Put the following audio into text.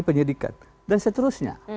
penyidikat dan seterusnya